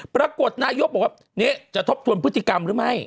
ปรากฏนายกบอกว่าจะทบทวนพฤติกรรมหรือไม่